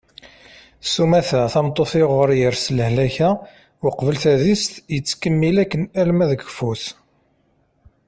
sumata tameṭṭut uɣur yers lehlak-a uqbel tadist yettkemmil akken arma d keffu-s